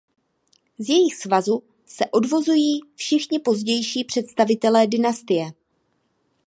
Z jejich svazu se odvozují všichni pozdější představitelé dynastie.